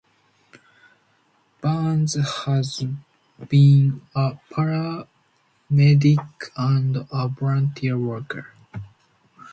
Barnes has been a paramedic, and a volunteer worker.